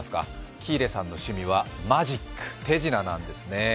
喜入さんの趣味はマジック手品なんですね。